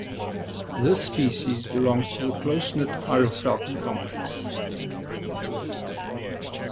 This species belongs to the close-knit hierofalcon complex.